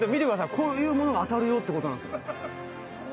こういうものが当たるよって事なんですよ」